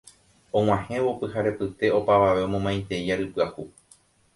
og̃uahẽvo pyharepyte opavave omomaitei ary pyahu